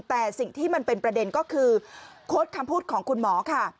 แต่สิ่งที่มันเป็นประเด็นก็คือโค้ดคำพูดของคุณหมอค่ะ